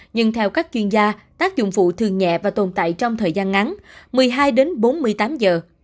nhưng theo các chuyên gia tác dụng phụ thường nhẹ và tồn tại trong thời gian ngắn một mươi hai đến bốn mươi tám giờ